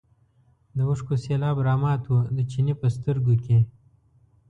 د اوښکو سېلاب رامات و د چیني په سترګو کې.